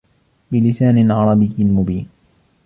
بلسان عربي مبين